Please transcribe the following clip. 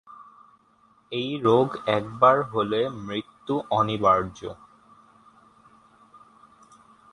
এই রোগ একবার হলে মৃত্যু অনিবার্য।